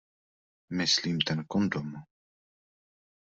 Myslím ten kondom.